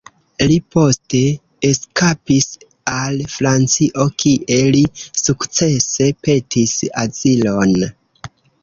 Li poste eskapis al Francio, kie li sukcese petis azilon.